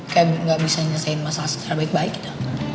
kayak gak bisa nyelesain masalah secara baik baik gitu